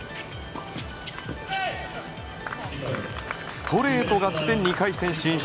ストレート勝ちで２回戦進出。